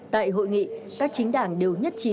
tại hội nghị các chính đảng đều nhất trí